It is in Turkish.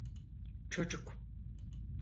Çocuk.